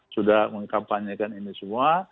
sudah mengkampanyekan ini semua